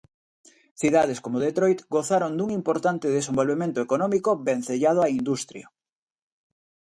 Cidades como Detroit gozaron dun importante desenvolvemento económico vencellado á industria.